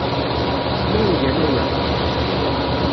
D kemm ay igan aya!